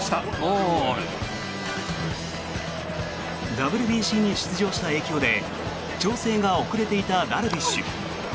ＷＢＣに出場した影響で調整が遅れていたダルビッシュ。